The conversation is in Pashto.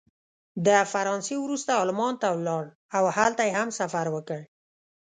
د فرانسې وروسته المان ته ولاړ او هلته یې هم سفر وکړ.